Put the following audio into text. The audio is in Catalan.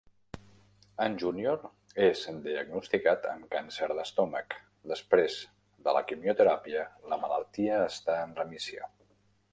En Junior és diagnosticat amb càncer d'estomac; després de la quimioteràpia, la malaltia està en remissió.